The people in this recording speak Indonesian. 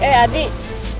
bisa jadi tuh bu